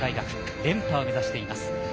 連覇を目指しています。